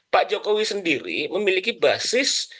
pak jokowi sendiri memiliki basis